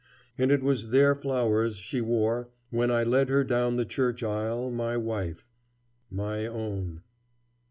And it was their flowers she wore when I led her down the church aisle my wife, my own.